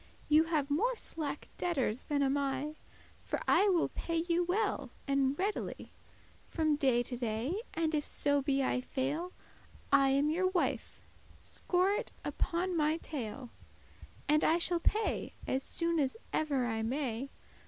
Ye have more slacke debtors than am I; For I will pay you well and readily, From day to day, and if so be I fail, I am your wife, score it upon my tail, And I shall pay as soon as ever I may.